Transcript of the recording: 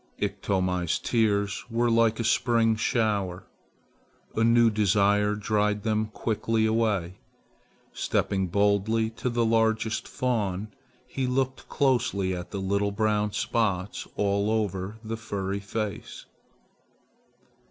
Iktomi's tears were like a spring shower. A new desire dried them quickly away. Stepping boldly to the largest fawn, he looked closely at the little brown spots all over the furry face.